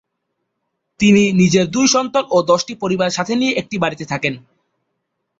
তিনি নিজের দুই সন্তান ও দশটি পরিবার সাথে নিয়ে একটি বাড়িতে থাকেন।